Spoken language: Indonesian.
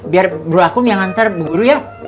biar bro akun yang antar bu guru ya